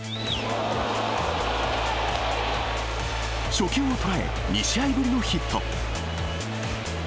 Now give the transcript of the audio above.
初球を捉え、２試合ぶりのヒット。